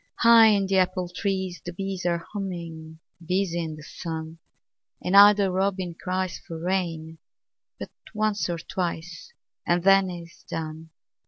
High in the apple trees the bees Are humming, busy in the sun, An idle robin cries for rain But once or twice and then is done.